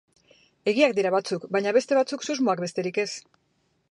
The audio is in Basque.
Egiak dira batzuk, baina beste batzuk susmoak besterik ez.